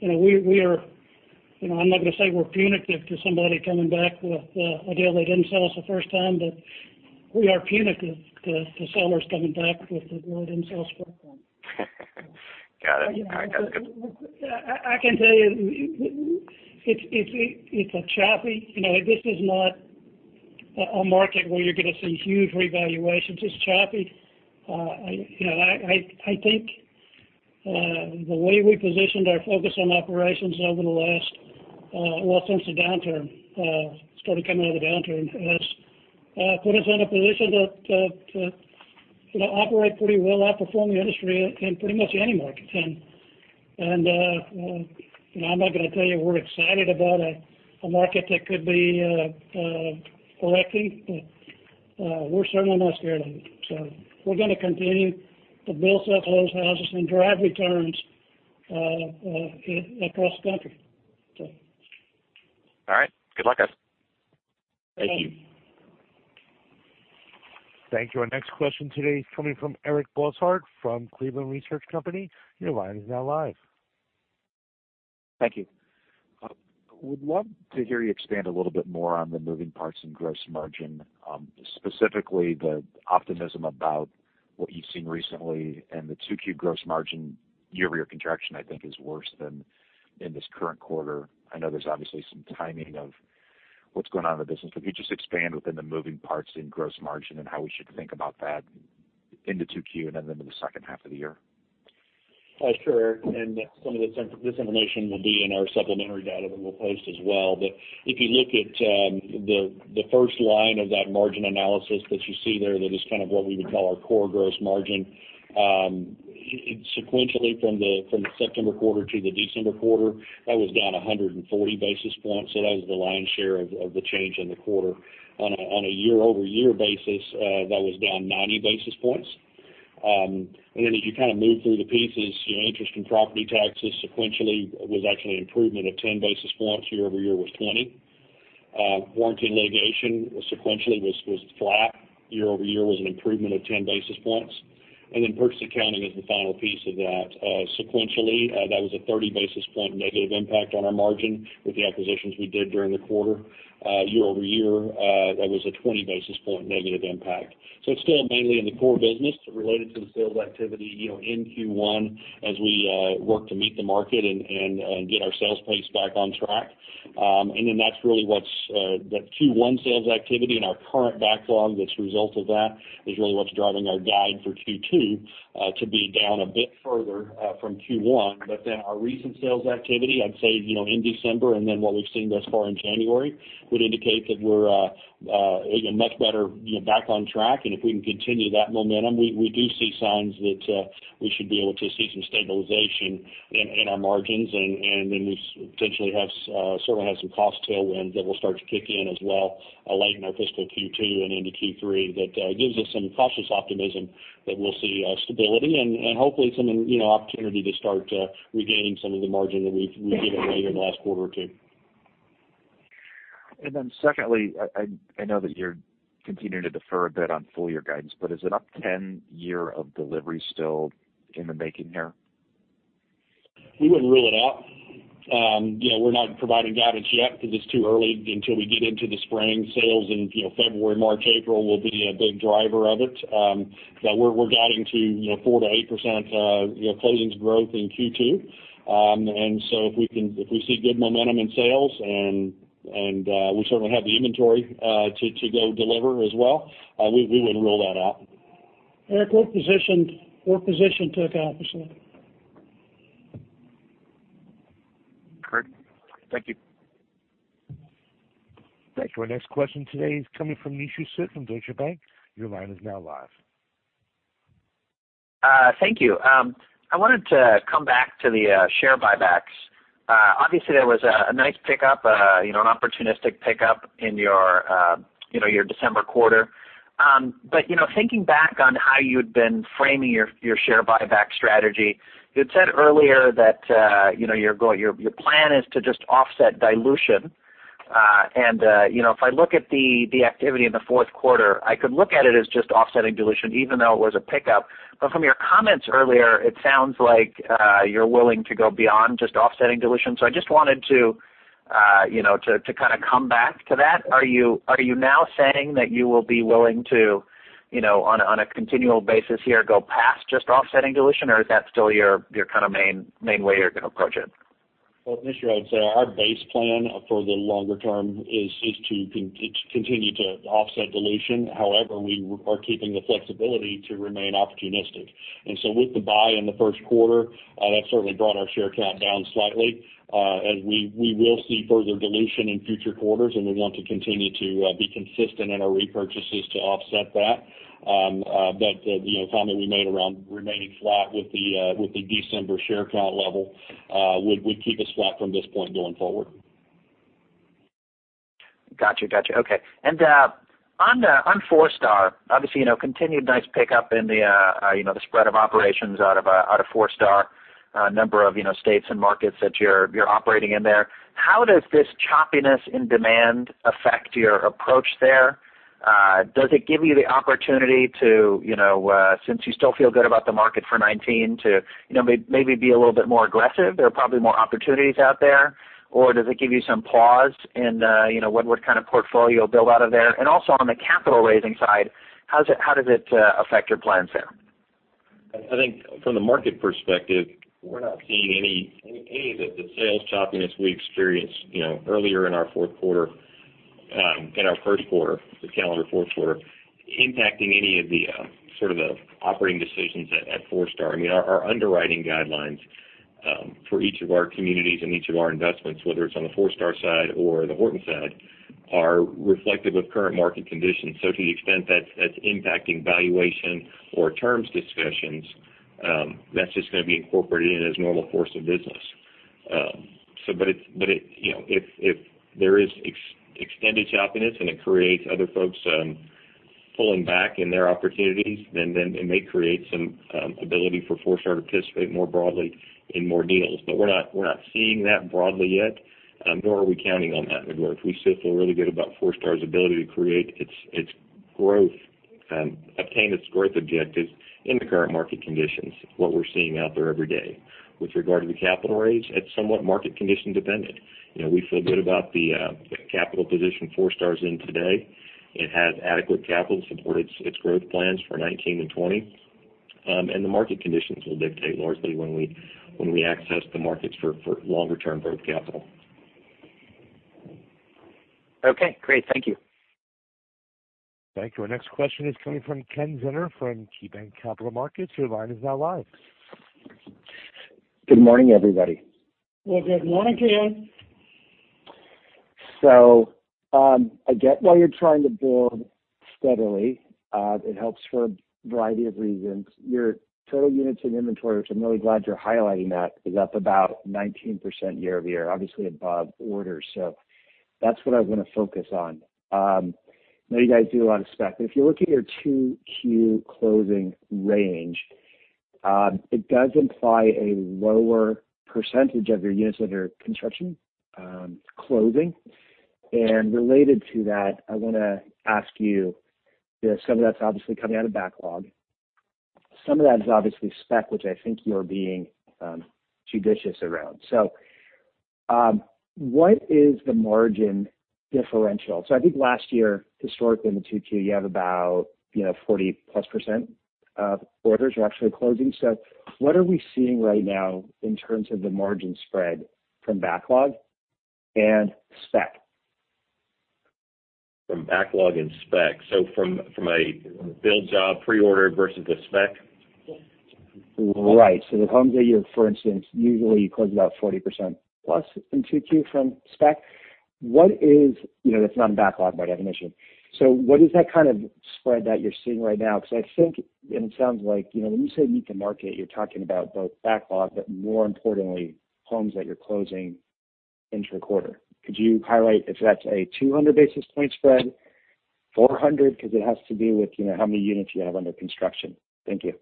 it. I'm not going to say we're punitive to somebody coming back with a deal they didn't sell us the first time, but we are punitive to sellers coming back with what they didn't sell us the first time. Got it. All right, that's good. I can tell you, this is not a market where you're going to see huge revaluations. It's choppy. I think the way we positioned our focus on operations over the last, well, since the downturn, started coming out of the downturn, has put us in a position to operate pretty well, outperform the industry in pretty much any market. I'm not going to tell you we're excited about a market that could be correcting, but we're certainly not scared of it. We're going to continue to build stuff, close houses, and drive returns across the country. All right. Good luck, guys. Thank you. Thank you. Our next question today is coming from Eric Bosshard from Cleveland Research Company. Your line is now live. Thank you. Would love to hear you expand a little bit more on the moving parts in gross margin, specifically the optimism about what you've seen recently and the 2Q gross margin year-over-year contraction, I think is worse than in this current quarter. I know there's obviously some timing of what's going on in the business. Could you just expand within the moving parts in gross margin and how we should think about that into 2Q and then into the second half of the year? Sure, Eric, some of this information will be in our supplementary data that we'll post as well. If you look at the first line of that margin analysis that you see there, that is what we would call our core gross margin. Sequentially from the September quarter to the December quarter, that was down 140 basis points. That was the lion's share of the change in the quarter. On a year-over-year basis, that was down 90 basis points. As you move through the pieces, your interest and property taxes sequentially was actually an improvement of 10 basis points, year-over-year was 20. Warranty litigation sequentially was flat. Year-over-year was an improvement of 10 basis points. Purchase accounting is the final piece of that. Sequentially, that was a 30 basis point negative impact on our margin with the acquisitions we did during the quarter. Year-over-year, that was a 20 basis point negative impact. It's still mainly in the core business related to the sales activity in Q1 as we work to meet the market and get our sales pace back on track. That's really what's that Q1 sales activity and our current backlog that's a result of that, is really what's driving our guide for Q2 to be down a bit further from Q1. Our recent sales activity, I'd say, in December and then what we've seen thus far in January would indicate that we're much better back on track. If we can continue that momentum, we do see signs that we should be able to see some stabilization in our margins. We certainly have some cost tailwinds that will start to kick in as well late in our fiscal Q2 and into Q3 that gives us some cautious optimism that we'll see stability and hopefully some opportunity to start regaining some of the margin that we've given away in the last quarter or two. secondly, I know that you're continuing to defer a bit on full year guidance, is an up 10 year of delivery still in the making here? We wouldn't rule it out. We're not providing guidance yet because it's too early until we get into the spring sales in February, March, April will be a big driver of it. We're guiding to 4%-8% closings growth in Q2. If we see good momentum in sales, and we certainly have the inventory to go deliver as well, we wouldn't rule that out. Eric, we're positioned to accomplish that. Great. Thank you. Thanks. Our next question today is coming from Nishu Sood from Deutsche Bank. Your line is now live. Thank you. I wanted to come back to the share buybacks. Obviously, there was a nice pickup, an opportunistic pickup in your December quarter. Thinking back on how you'd been framing your share buyback strategy, you had said earlier that your plan is to just offset dilution. If I look at the activity in the fourth quarter, I could look at it as just offsetting dilution, even though it was a pickup. From your comments earlier, it sounds like you're willing to go beyond just offsetting dilution. I just wanted to come back to that. Are you now saying that you will be willing to, on a continual basis here, go past just offsetting dilution, or is that still your kind of main way you're going to approach it? Well, Nishu, I'd say our base plan for the longer term is just to continue to offset dilution. However, we are keeping the flexibility to remain opportunistic. With the buy in the first quarter, that certainly brought our share count down slightly. As we will see further dilution in future quarters, and we want to continue to be consistent in our repurchases to offset that. The comment we made around remaining flat with the December share count level, would keep us flat from this point going forward. Got you. Okay. On Forestar, obviously, continued nice pickup in the spread of operations out of Forestar, a number of states and markets that you're operating in there. How does this choppiness in demand affect your approach there? Does it give you the opportunity to, since you still feel good about the market for 2019, to maybe be a little bit more aggressive? There are probably more opportunities out there. Does it give you some pause in what kind of portfolio build out of there? Also on the capital raising side, how does it affect your plans there? I think from the market perspective, we're not seeing any of the sales choppiness we experienced earlier in our fourth quarter, in our first quarter, the calendar fourth quarter, impacting any of the sort of operating decisions at Forestar. Our underwriting guidelines for each of our communities and each of our investments, whether it's on the Forestar side or the Horton side, are reflective of current market conditions. To the extent that's impacting valuation or terms discussions, that's just going to be incorporated in as normal course of business. If there is extended choppiness and it creates other folks pulling back in their opportunities, it may create some ability for Forestar to participate more broadly in more deals. We're not seeing that broadly yet, nor are we counting on that anywhere. We still feel really good about Forestar's ability to create its growth, obtain its growth objectives in the current market conditions, what we're seeing out there every day. With regard to the capital raise, it's somewhat market condition dependent. We feel good about the capital position Forestar's in today. It has adequate capital to support its growth plans for 2019 and 2020. The market conditions will dictate largely when we access the markets for longer-term growth capital. Okay, great. Thank you. Thank you. Our next question is coming from Kenneth Zener from KeyBanc Capital Markets. Your line is now live. Good morning, everybody. Well, good morning, Ken. I get why you're trying to build steadily. It helps for a variety of reasons. Your total units in inventory, which I'm really glad you're highlighting that, is up about 19% year-over-year, obviously above orders. That's what I was going to focus on. I know you guys do a lot of spec, but if you look at your 2Q closing range, it does imply a lower percentage of your units that are construction closing. Related to that, I want to ask you, some of that's obviously coming out of backlog. Some of that is obviously spec, which I think you're being judicious around. What is the margin differential? I think last year, historically in the 2Q, you have about 40%+ of orders you're actually closing. What are we seeing right now in terms of the margin spread from backlog and spec? From backlog and spec. From a build job pre-order versus a spec? Right. The homes that you, for instance, usually close about 40% plus in 2Q from spec. That's not in backlog by definition. What is that kind of spread that you're seeing right now? Because I think, and it sounds like, when you say meet the market, you're talking about both backlog, but more importantly, homes that you're closing into the quarter. Could you highlight if that's a 200 basis point spread, 400, because it has to do with how many units you have under construction. Thank you.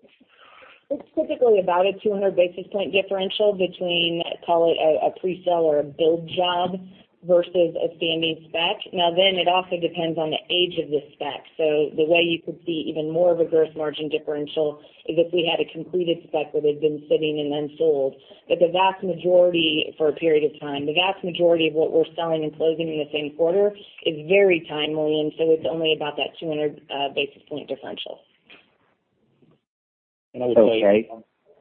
It's typically about a 200 basis point differential between, call it a pre-sale or a build job versus a standing spec. It also depends on the age of the spec. The way you could see even more of a gross margin differential is if we had a completed spec that had been sitting and then sold. The vast majority, for a period of time, the vast majority of what we're selling and closing in the same quarter is very timely, and so it's only about that 200 basis point differential. Okay.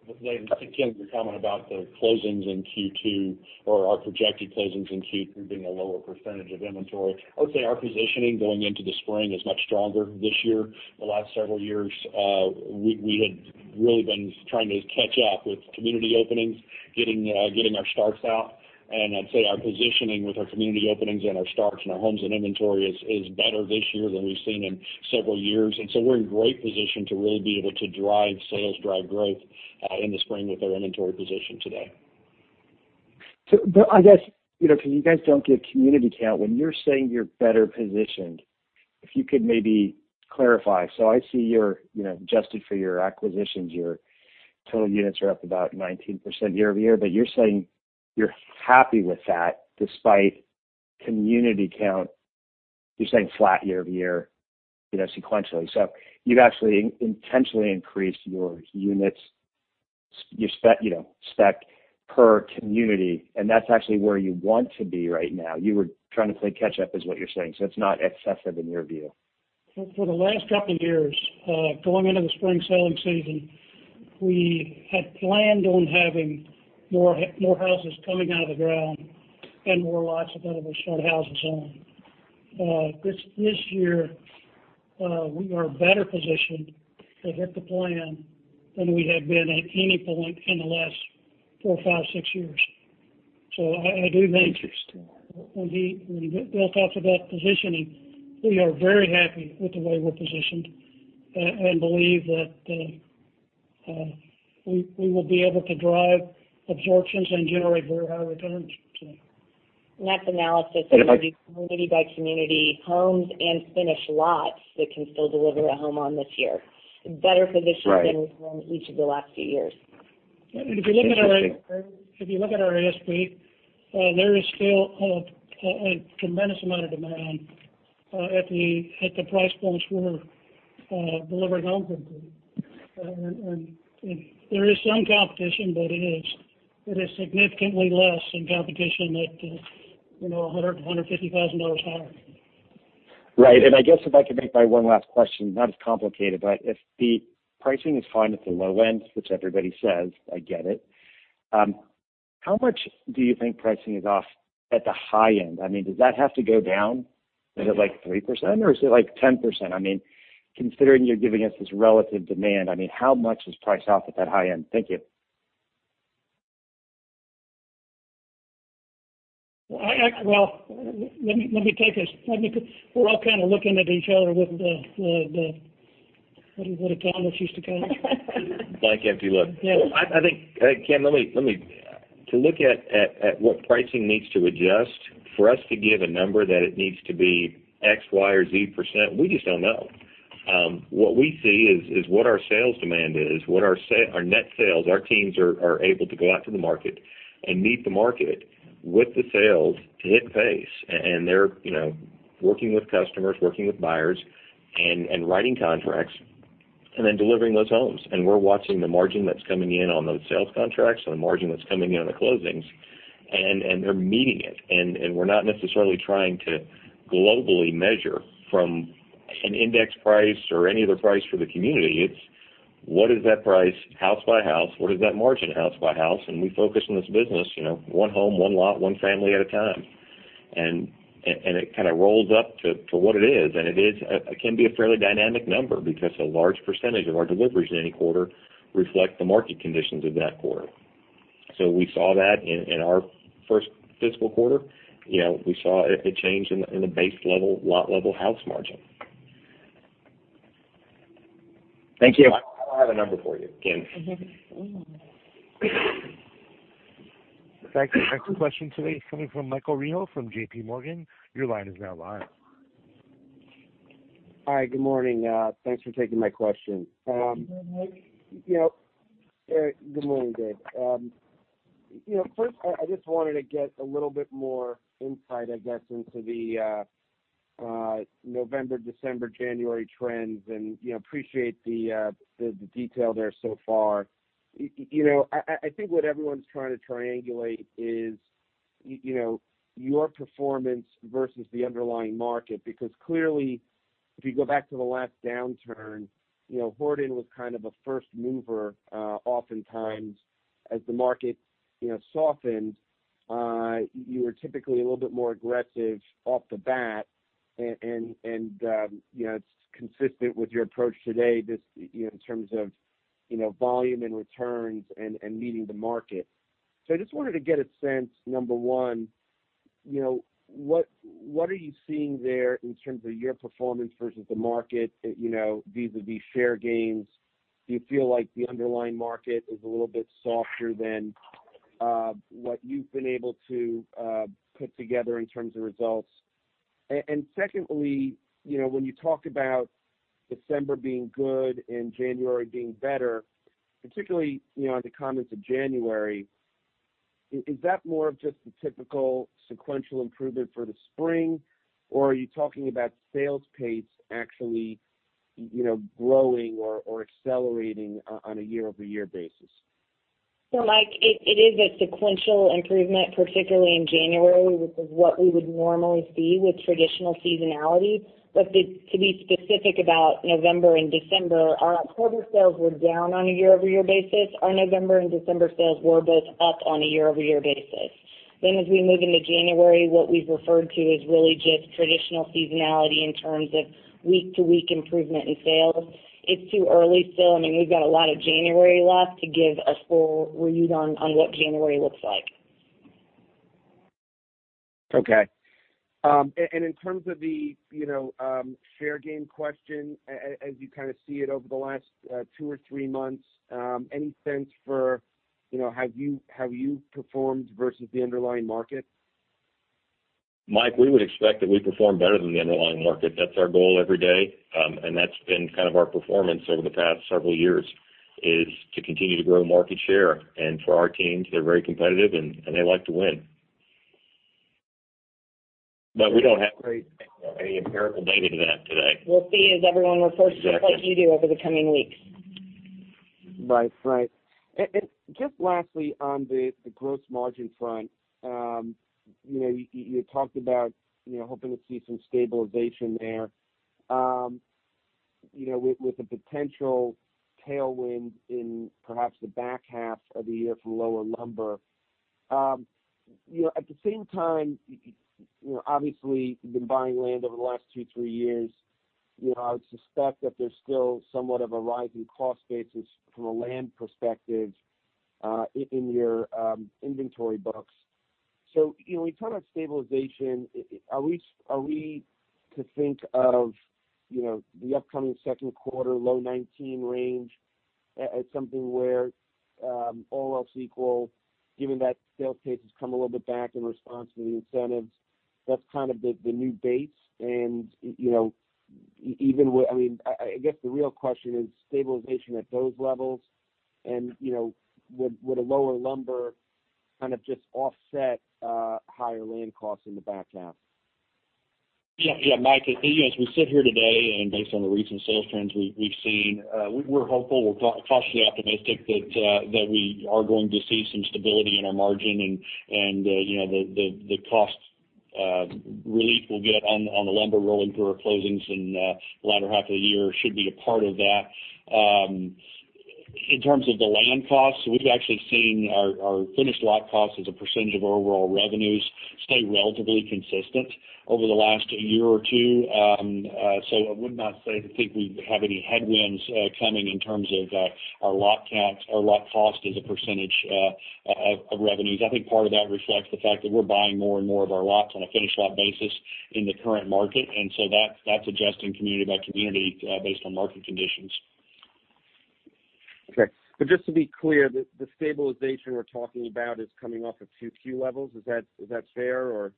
I would say to Ken's comment about the closings in Q2, or our projected closings in Q3 being a lower percentage of inventory, I would say our positioning going into the spring is much stronger this year. The last several years, we had really been trying to catch up with community openings, getting our starts out. I'd say our positioning with our community openings and our starts and our homes and inventory is better this year than we've seen in several years. We're in great position to really be able to drive sales, drive growth in the spring with our inventory position today. I guess, because you guys don't give community count when you're saying you're better positioned, if you could maybe clarify. I see you're adjusted for your acquisitions, your total units are up about 19% year-over-year, but you're saying you're happy with that despite community count, you're saying flat year-over-year, sequentially. You've actually intentionally increased your units, your spec per community, and that's actually where you want to be right now. You were trying to play catch up is what you're saying. It's not excessive in your view. For the last couple of years, going into the spring selling season, we had planned on having more houses coming out of the ground and more lots available to start houses on. This year, we are better positioned to hit the plan than we have been at any point in the last four, five, six years. I do think. Interesting When we built out to that positioning, we are very happy with the way we're positioned and believe that we will be able to drive absorptions and generate very high returns. That's analysis of the community-by-community homes and finished lots that can still deliver a home on this year. Better positioned. Right than we've been each of the last few years. If you look at our ASP, there is still a tremendous amount of demand at the price points we're delivering homes into. There is some competition, but it is significantly less than competition at $100,000-$150,000 higher. Right. I guess if I could make my one last question, not as complicated, but if the pricing is fine at the low end, which everybody says, I get it. How much do you think pricing is off at the high end? I mean, does that have to go down? Is it like 3% or is it like 10%? Considering you're giving us this relative demand, how much is price off at that high end? Thank you. Well, let me take this. We're all kind of looking at each other with the, what did Thomas used to call it? Blank empty look. Yeah. I think, Ken, let me, to look at what pricing needs to adjust for us to give a number that it needs to be X%, Y%, or Z%, we just don't know. What we see is what our sales demand is, what our net sales, our teams are able to go out to the market and meet the market with the sales to hit pace. They're working with customers, working with buyers and writing contracts, and then delivering those homes. We're watching the margin that's coming in on those sales contracts or the margin that's coming in on the closings, and they're meeting it. We're not necessarily trying to globally measure from an index price or any other price for the community. It's what is that price house by house? What is that margin house by house? We focus on this business, one home, one lot, one family at a time. It kind of rolls up to what it is, and it can be a fairly dynamic number because a large percentage of our deliveries in any quarter reflect the market conditions of that quarter. We saw that in our first fiscal quarter. We saw a change in the base lot level house margin. Thank you. I don't have a number for you, Ken. Next question today is coming from Michael Rehaut from JPMorgan. Your line is now live. Hi, good morning. Thanks for taking my question. Good morning, Mike. Good morning, Dave. First, I just wanted to get a little bit more insight, I guess, into the November, December, January trends and appreciate the detail there so far. I think what everyone's trying to triangulate is your performance versus the underlying market. Clearly, if you go back to the last downturn, Horton was kind of a first mover oftentimes as the market softened. You were typically a little bit more aggressive off the bat and it's consistent with your approach today just in terms of volume and returns and meeting the market. I just wanted to get a sense, number one, what are you seeing there in terms of your performance versus the market vis-a-vis share gains? Do you feel like the underlying market is a little bit softer than what you've been able to put together in terms of results? Secondly, when you talk about December being good and January being better, particularly, on the comments of January, is that more of just the typical sequential improvement for the spring? Are you talking about sales pace actually growing or accelerating on a year-over-year basis? Mike, it is a sequential improvement, particularly in January, which is what we would normally see with traditional seasonality. To be specific about November and December, our October sales were down on a year-over-year basis. Our November and December sales were both up on a year-over-year basis. As we move into January, what we've referred to is really just traditional seasonality in terms of week-to-week improvement in sales. It's too early still. I mean, we've got a lot of January left to give a full read on what January looks like. Okay. In terms of the share gain question, as you see it over the last two or three months, any sense for how you performed versus the underlying market? Mike, we would expect that we perform better than the underlying market. That's our goal every day, and that's been kind of our performance over the past several years, is to continue to grow market share. For our teams, they're very competitive and they like to win. We don't have any empirical data to that today. We'll see as everyone reports. Exactly like you do over the coming weeks. Right. Just lastly on the gross margin front, you talked about hoping to see some stabilization there with a potential tailwind in perhaps the back half of the year from lower lumber. At the same time, you obviously have been buying land over the last two, three years. I would suspect that there's still somewhat of a rising cost basis from a land perspective in your inventory books. When you talk about stabilization, are we to think of the upcoming second quarter low 19 range as something where all else equal, given that sales pace has come a little bit back in response to the incentives, that's kind of the new base and even with I guess the real question is stabilization at those levels and would a lower lumber kind of just offset higher land costs in the back half? Yeah, Mike, as we sit here today, Based on the recent sales trends we've seen, we're hopeful. We're cautiously optimistic that we are going to see some stability in our margin and the cost relief we'll get on the lumber rolling through our closings in the latter half of the year should be a part of that. In terms of the land costs, we've actually seen our finished lot costs as a percentage of our overall revenues stay relatively consistent over the last year or two. I would not say, or think we have any headwinds coming in terms of our lot count, our lot cost as a percentage of revenues. I think part of that reflects the fact that we're buying more and more of our lots on a finished lot basis in the current market. That's adjusting community by community based on market conditions. Okay. Just to be clear, the stabilization we're talking about is coming off of 2 key levels. Is that fair, or?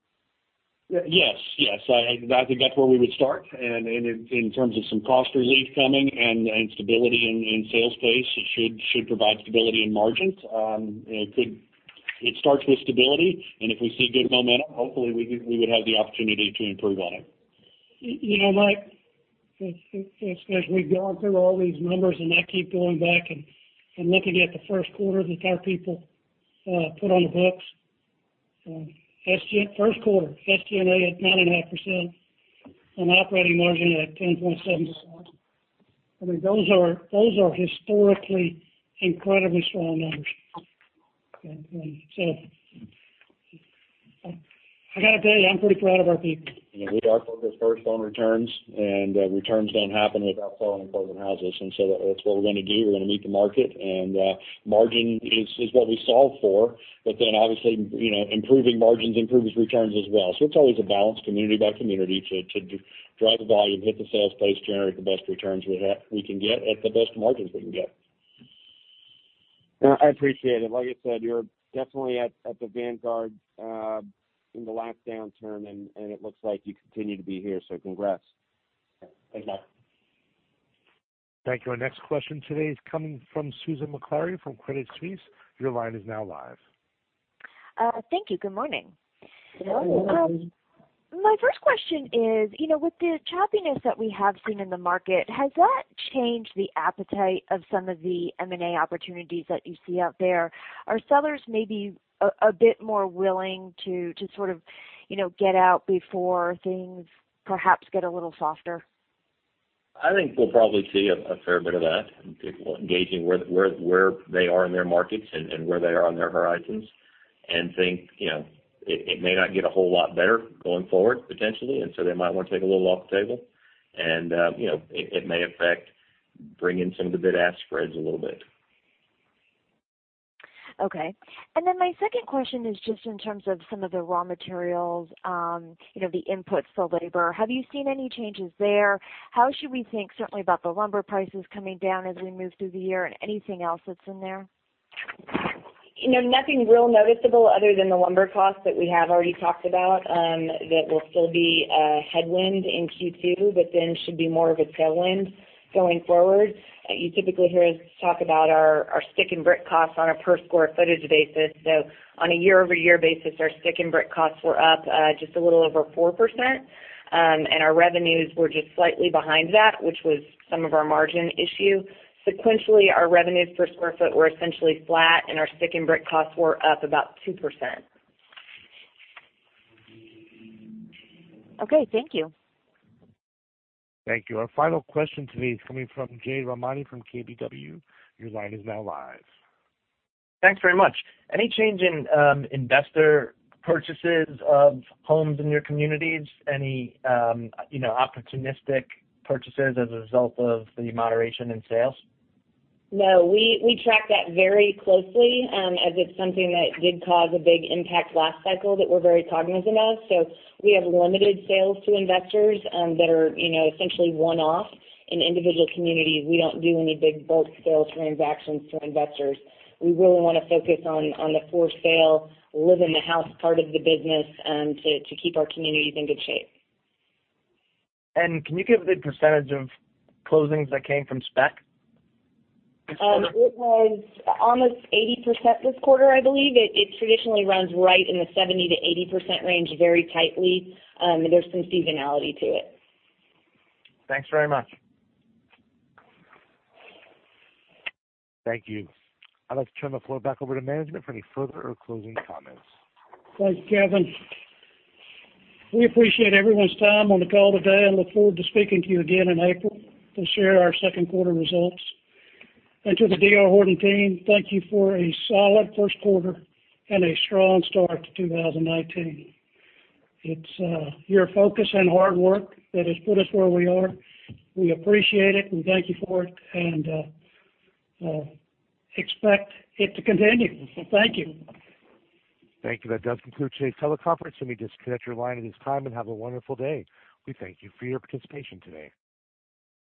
Yes. I think that's where we would start. In terms of some cost relief coming and stability in sales pace, it should provide stability in margins. It starts with stability, and if we see good momentum, hopefully we would have the opportunity to improve on it. Mike, as we've gone through all these numbers, I keep going back and looking at the first quarter that our people put on the books. First quarter, SG&A at 9.5% and operating margin at 10.7%. Those are historically incredibly strong numbers. I've got to tell you, I'm pretty proud of our people. We are focused first on returns. Returns don't happen without selling apartment houses. That's what we're going to do. We're going to meet the market. Margin is what we solve for. Obviously, improving margins improves returns as well. It's always a balance community by community to drive the volume, hit the sales pace, generate the best returns we can get at the best margins we can get. No, I appreciate it. Like I said, you're definitely at the vanguard in the last downturn, and it looks like you continue to be here, so congrats. Thanks, Mike. Thank you. Our next question today is coming from Susan Maklari from Credit Suisse. Your line is now live. Thank you. Good morning. Good morning. My first question is, with the choppiness that we have seen in the market, has that changed the appetite of some of the M&A opportunities that you see out there? Are sellers maybe a bit more willing to sort of get out before things perhaps get a little softer? I think we'll probably see a fair bit of that, people engaging where they are in their markets and where they are on their horizons, and think it may not get a whole lot better going forward, potentially, and so they might want to take a little off the table. It may affect bringing some of the bid-ask spreads a little bit. Okay. My second question is just in terms of some of the raw materials, the inputs, the labor. Have you seen any changes there? How should we think, certainly about the lumber prices coming down as we move through the year and anything else that's in there? Nothing real noticeable other than the lumber costs that we have already talked about. That will still be a headwind in Q2, then should be more of a tailwind going forward. You typically hear us talk about our stick and brick costs on a per square footage basis. On a year-over-year basis, our stick and brick costs were up just a little over 4%, and our revenues were just slightly behind that, which was some of our margin issue. Sequentially, our revenues per square foot were essentially flat, and our stick and brick costs were up about 2%. Okay, thank you. Thank you. Our final question today is coming from Jade Rahmani from KBW. Your line is now live. Thanks very much. Any change in investor purchases of homes in your communities, any opportunistic purchases as a result of the moderation in sales? No, we track that very closely, as it's something that did cause a big impact last cycle that we're very cognizant of. We have limited sales to investors that are essentially one-off in individual communities. We don't do any big bulk sales transactions to investors. We really want to focus on the for-sale, live in the house part of the business to keep our communities in good shape. Can you give the percent of closings that came from spec this quarter? It was almost 80% this quarter, I believe. It traditionally runs right in the 70%-80% range very tightly. There's some seasonality to it. Thanks very much. Thank you. I'd like to turn the floor back over to management for any further or closing comments. Thanks, Kevin. We appreciate everyone's time on the call today and look forward to speaking to you again in April to share our second quarter results. To the D.R. Horton team, thank you for a solid first quarter and a strong start to 2019. It's your focus and hard work that has put us where we are. We appreciate it and thank you for it and expect it to continue. Thank you. Thank you. That does conclude today's teleconference. Let me disconnect your line at this time, and have a wonderful day. We thank you for your participation today.